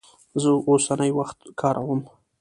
زه اوسنی وخت کاروم.